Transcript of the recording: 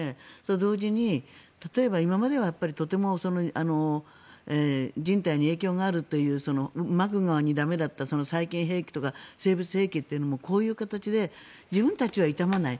同時に例えば今まではとても人体に影響があるという駄目だった細菌兵器とか生物兵器とか、こういう形で自分たちは傷まない。